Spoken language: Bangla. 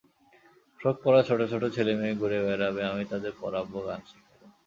ফ্রক-পরা ছোট ছোট ছেলেমেয়ে ঘুরে বেড়াবে, আমি তাদের পড়াব, গান শেখাব।